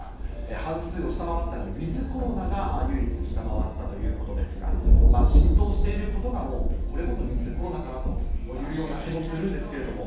半数を下回ったのは、ウィズコロナが唯一下回ったということですが、浸透していることがもう、これこそウィズコロナかなという気もするんですけれども。